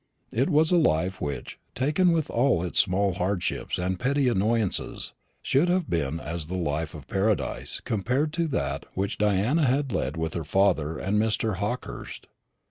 It was a life which, taken with all its small hardships and petty annoyances, should have been as the life of Paradise compared to that which Diana had led with her father and Mr. Hawkehurst.